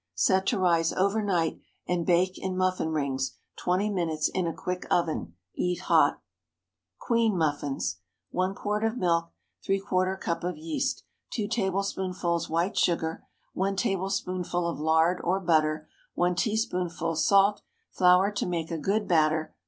Set to rise over night, and bake in muffin rings twenty minutes in a quick oven. Eat hot. QUEEN MUFFINS. ✠ 1 quart of milk. ¾ cup of yeast. 2 tablespoonfuls white sugar. 1 tablespoonful of lard or butter. 1 teaspoonful salt. Flour to make a good batter.